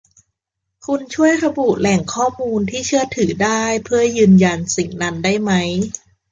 คุณช่วยระบุแหล่งข้อมูลที่เชื่อถือได้เพื่อยืนยันสิ่งนั้นได้มั้ย